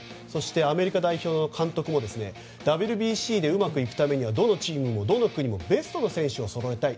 アメリカ代表の監督もＷＢＣでうまくいくためにはどのチームにもどの国にもベストの選手をそろえたい。